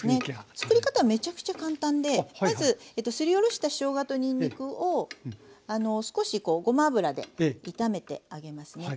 作り方はめちゃくちゃ簡単でまずすりおろしたしょうがとにんにくを少しこうごま油で炒めてあげますね。